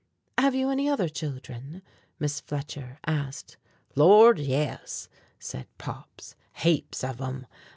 "Have you any other children?" Miss Fletcher asked. "Lord, yes," said Pop, "heaps of 'em.